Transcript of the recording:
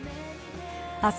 明日